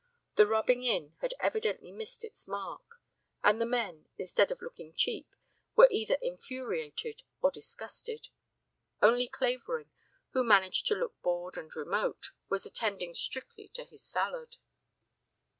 The "rubbing in" had evidently missed its mark. And the men, instead of looking cheap, were either infuriated or disgusted. Only Clavering, who managed to look bored and remote, was attending strictly to his salad.